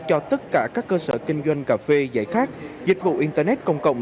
cho tất cả các cơ sở kinh doanh cà phê giải khát dịch vụ internet công cộng